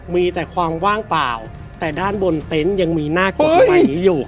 มีแต่ความว่างเปล่าแต่ด้านบนเต็นต์ยังมีหน้ากฎหมายนี้อยู่